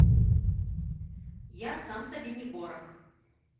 Я сам сабе не вораг.